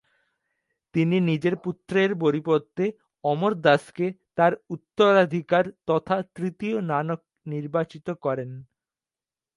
তিনি নিজের পুত্রের পরিবর্তে অমর দাসকে তার উত্তরাধিকার তথা তৃতীয় নানক নির্বাচিত করেন।